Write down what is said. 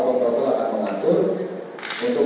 atau mesin menghasilkan tenaga sesuai yang dibutuhkan